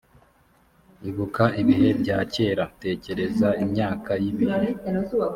ibuka ibihe bya kera tekereza imyaka y ibihe